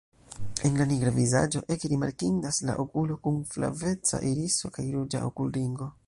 En la nigra vizaĝo ege rimarkindas la okulo kun flaveca iriso kaj ruĝa okulringo.